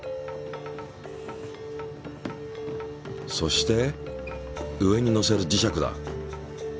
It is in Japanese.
そして上にのせる磁石だ。